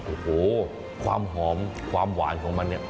โอ้โหความหอมความหวานของมันเนี่ย